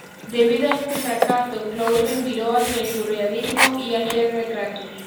Debido a este fracaso, Clausen viró hacia el Surrealismo y a hacer retratos.